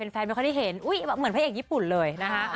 แฟนไม่ค่อยได้เห็นเหมือนพระเอกญี่ปุ่นเลยนะคะ